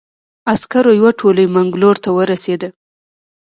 عسکرو یوه تولۍ منګلور ته ورسېده.